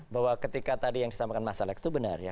bahwa ketika tadi yang disampaikan mas alex itu benar ya